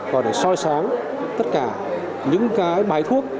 và để soi sáng tất cả những bài thuốc